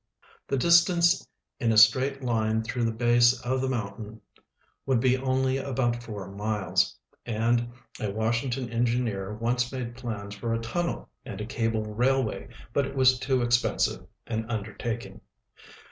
The distance in a straight line through the l)ase of the moun tain would be only about four miles, and a Washington engineer once made ])lans for a tunnel and a calde railway, but it was too exi)ensive an undertaking.